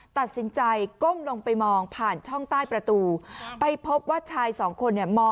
ตัดสินใจก้มลงไปมองผ่านช่องใต้ประตูไปพบว่าชายสองคนเนี่ย